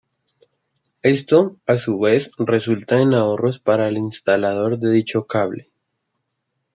Esto, a su vez, resulta en ahorros para el instalador de dicho cable.